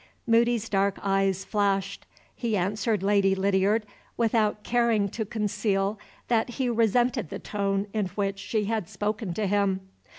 Moody's dark eyes flashed. He answered Lady Lydiard without caring to conceal that he resented the tone in which she had spoken to him.